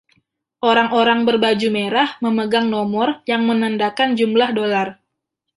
Orang-orang berbaju merah memegang nomor yang menandakan jumlah dolar.